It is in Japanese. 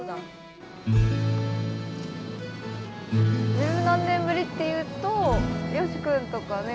十何年ぶりっていうと弥夕くんとかね耕盛くん。